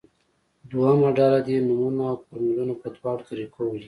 دویمه ډله دې نومونه او فورمولونه په دواړو طریقه ولیکي.